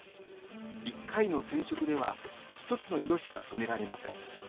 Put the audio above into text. １回の染色ではひとつの色しか染められません。